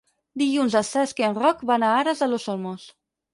Dilluns en Cesc i en Roc van a Aras de los Olmos.